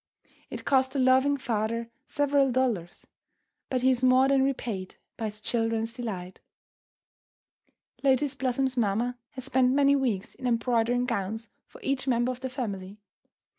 It cost the loving father several dollars, but he is more than repaid by his children's delight. Lotus Blossom's mamma has spent many weeks in embroidering gowns for each member of the family.